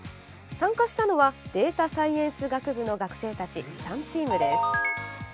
参加したのはデータサイエンス学部の学生たち３チームです。